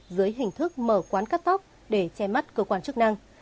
dưới hình thức mở quán cắt tóc để che mắt cơ quan chức năng